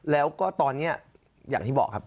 แล้วก็ตอนนี้อย่างที่บอกครับ